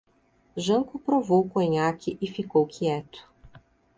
Janko provou conhaque e ficou quieto.